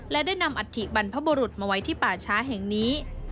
และได้นำอัฐิบรรพบุรุษมาไว้ที่ป่าช้าแห่งนี้